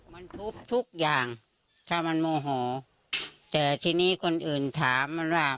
มันทุบทุกอย่างถ้ามันโมโหแต่ทีนี้คนอื่นถามมันว่า